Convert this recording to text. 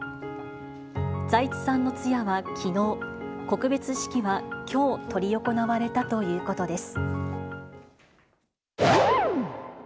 財津さんの通夜はきのう、告別式はきょう、執り行われたということです。